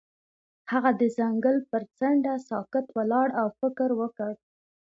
هغه د ځنګل پر څنډه ساکت ولاړ او فکر وکړ.